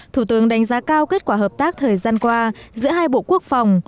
thủ tướng đánh giá cao kết quả hợp tác thời gian qua giữa hai bộ quốc phòng